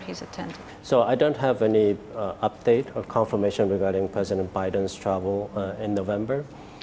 jadi saya tidak memiliki pengetahuan atau pengakuan mengenai perjalanan presiden biden di november